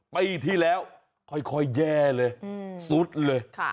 ไปที่แล้วค่อยค่อยแย่เลยอืมสุดเลยค่ะ